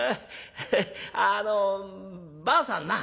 あのばあさんな